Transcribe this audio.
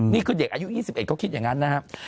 นี่คือเด็กอายุ๒๑เขาคิดอย่างนั้นนะครับ